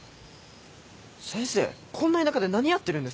先生こんな田舎で何やってるんですか？